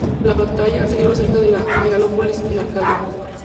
La batalla, se libró cerca de Megalópolis en Arcadia.